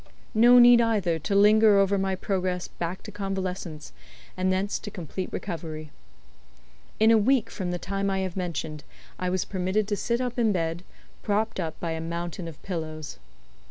No need, either, to linger over my progress back to convalescence, and thence to complete recovery. In a week from the time I have mentioned, I was permitted to sit up in bed, propped up by a mountain of pillows.